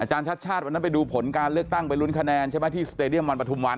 ชัดชาติวันนั้นไปดูผลการเลือกตั้งไปลุ้นคะแนนใช่ไหมที่สเตดียมวันปฐุมวัน